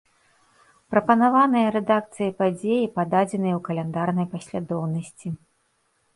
Прапанаваныя рэдакцыяй падзеі пададзеныя ў каляндарнай паслядоўнасці.